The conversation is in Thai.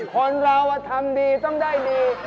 คนเราทำดีต้องได้ดี